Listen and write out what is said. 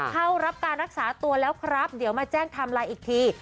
เข้ารับการรักษาตัวแล้วครับเดี๋ยวมาแจ้งไทม์ไลน์อีกที